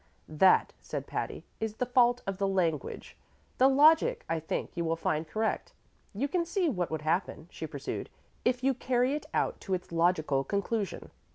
"That," said Patty, "is the fault of the language. The logic, I think, you will find correct. You can see what would happen," she pursued, "if you carry it out to its logical conclusion.